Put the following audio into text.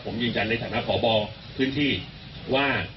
ผมยืนยันในฐานะพบพื้นที่ว่า